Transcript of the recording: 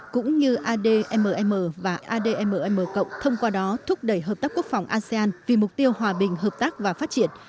cũng như admm và admm thông qua đó thúc đẩy hợp tác quốc phòng asean vì mục tiêu hòa bình hợp tác và phát triển